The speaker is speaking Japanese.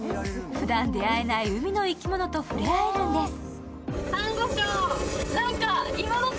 ふだん出会えない海の生き物と触れ合えるんです。